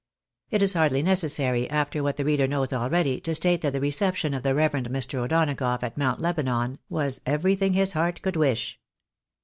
It is hardly necessary, after what the reader knows already, to state that the reception of the reverend Mr. O'Donagough at Mount Lebanon was everything his heart could wish.